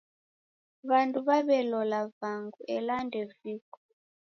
W'andu w'aw'elola vaghu, ela ndeviko